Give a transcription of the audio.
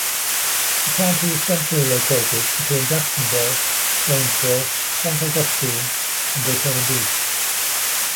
The county is centrally located between Jacksonville, Gainesville, Saint Augustine, and Daytona Beach.